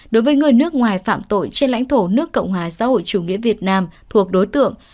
đối với người nước ngoài phạm tội trên lãnh thổ nước cộng hòa xã hội chủ nghĩa việt nam thuộc đối tượng